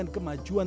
iya ke kebun